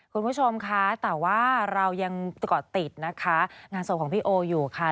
คุณผู้ชมคะแต่ว่าเรายังเกาะติดนะคะงานศพของพี่โออยู่ค่ะ